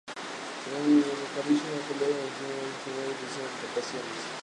Físicamente Kobayashi ha cambiado drásticamente desde sus primeras apariciones en competiciones.